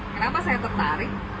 kenapa saya tertarik